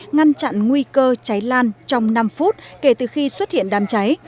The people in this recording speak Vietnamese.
ngăn chặn nguy cơ cháy lan trong năm phút kể từ khi xuất hiện đám cháy